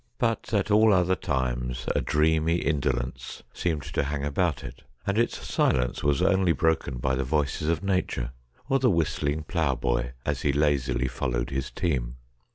But at all other times a dreamy indolence seemed to hang about it, and its silence was only broken by the voices of Nature, or the whistling plough boy as he lazily followed his team.